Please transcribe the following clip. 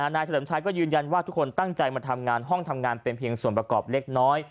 เฉลิมชัยก็ยืนยันว่าทุกคนตั้งใจมาทำงานห้องทำงานเป็นเพียงส่วนประกอบเล็กน้อย